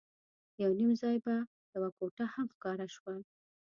یو نیم ځای به یوه کوټه هم ښکاره شوه.